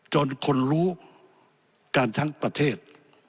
จนคนรู้กันทั้งประเทศ